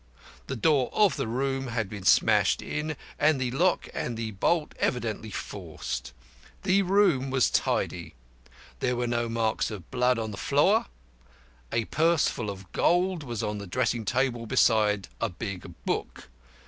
The door of the room had been smashed in, and the lock and the bolt evidently forced. The room was tidy. There were no marks of blood on the floor. A purse full of gold was on the dressing table beside a big book.